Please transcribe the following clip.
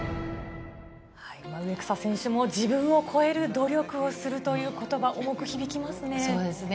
植草選手も自分を超える努力をするという言葉、重くひびきますね。